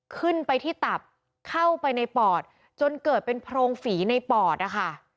ขึ้นไปที่ตับเข้าไปในปอดจนเกิดเป็นโพรงฝีในปอดนะคะ